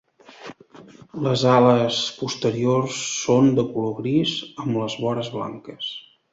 Les ales posteriors són de color gris amb les vores blanques.